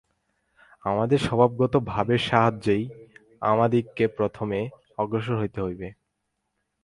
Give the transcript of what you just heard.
আমাদের স্বভাবগত ভাবের সাহায্যেই আমাদিগকে প্রথমে অগ্রসর হইতে হইবে।